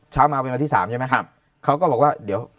ใช่ก็เป็น